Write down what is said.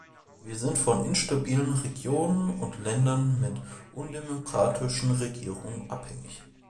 Wir sind von instabilen Regionen und Ländern mit undemokratischen Regierungen abhängig.